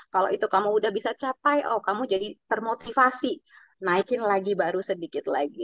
kalau itu kamu udah bisa capai oh kamu jadi termotivasi naikin lagi baru sedikit lagi